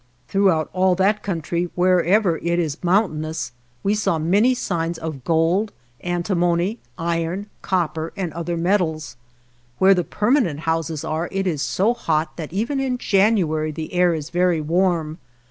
56 Throughout all that country, wherever it is mountainous, we saw many signs of gold, antimony, iron, copper and other metals. Where the permanent houses are it is so hot that even in January the air is very warm.